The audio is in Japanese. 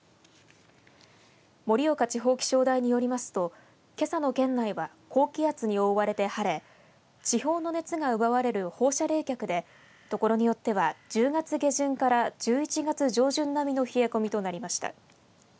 盛岡地方気象台によりますとけさの県内は高気圧に覆われて晴れ地表の熱が奪われる放射冷却でところによっては１０月下旬から１１月上旬並みの冷え込みとなりました。